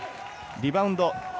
リバウンド。